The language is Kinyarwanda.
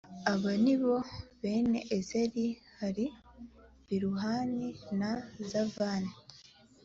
aba ni bo bene eseri hari biluhani na zavani